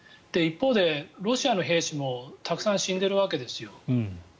一方でロシアの兵士もたくさん死んでるわけですよ。